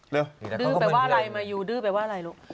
เร็วดึ้งแต่ว่าอะไรมายูดึ้งแต่ว่าอะไรลูก